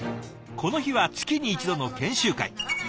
この日は月に一度の研修会。